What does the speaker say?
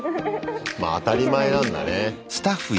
まあ当たり前なんだね。